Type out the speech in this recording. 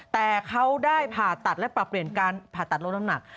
แต่เขาได้ผ่าตัดและปรับเปลี่ยนการผ่าตัดลดน้ำหนัก